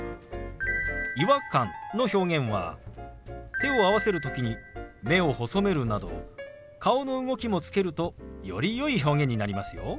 「違和感」の表現は手を合わせる時に目を細めるなど顔の動きもつけるとよりよい表現になりますよ。